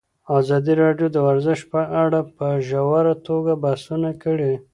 ازادي راډیو د ورزش په اړه په ژوره توګه بحثونه کړي.